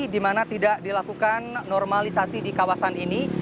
dimana tidak dilakukan normalisasi di kawasan ini